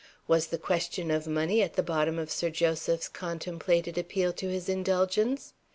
Was the question of money at the bottom of Sir Joseph's contemplated appeal to his indulgence?